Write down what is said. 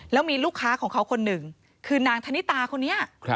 แล้วมีลูกค้าของเขาคนหนึ่งคือนางธนิตาคนนี้